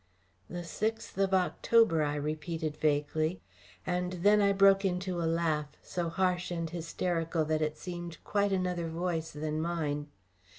"The sixth of October," I repeated vaguely, and then I broke into a laugh, so harsh and hysterical that it seemed quite another voice than mine.